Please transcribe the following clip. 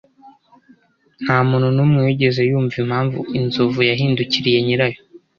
Ntamuntu numwe wigeze yumva impamvu inzovu yahindukiriye nyirayo.